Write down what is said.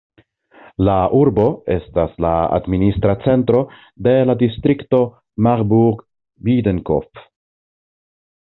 La urbo estas la administra centro de la distrikto Marburg-Biedenkopf.